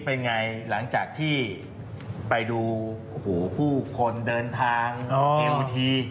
เป็นไงหลังจากที่ไปดูหูผู้คนเดินทางเอลที